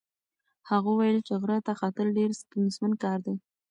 هغه وویل چې غره ته ختل ډېر ستونزمن کار دی.